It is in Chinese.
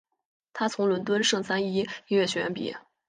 他从伦敦圣三一音乐学院毕业。